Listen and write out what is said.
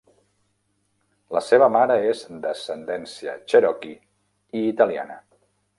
La seva mare és d'ascendència "cherokee" i italiana.